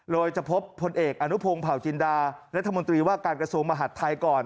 โดยจะพบพลเอกอนุพงศ์เผาจินดารัฐมนตรีว่าการกระทรวงมหัฐไทยก่อน